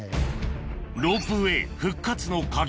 ロープウエー復活の鍵